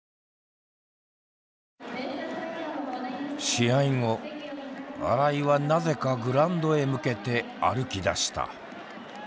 試合後新井はなぜかグラウンドへ向けて歩きだした。